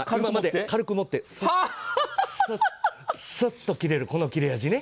軽く持って切れるこの切れ味ね。